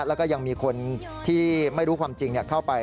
แล้วก็ยังมีคนที่ไม่รู้ความจริงเข้าไป